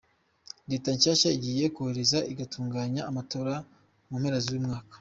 Leta nshasha igiye kuzoheza igatunganya amatora mu mpera z'uyu mwaka.